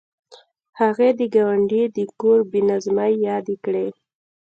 هغې د ګاونډي د کور بې نظمۍ یادې کړې